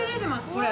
これ。